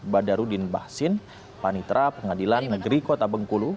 badarudin bahsin panitra pengadilan negeri kota bengkulu